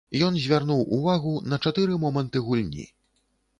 Ён звярнуў увагу на чатыры моманты гульні.